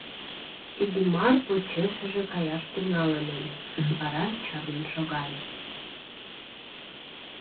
Иллимар почешыже каяш тӱҥалын ыле, вара чарнен шогале.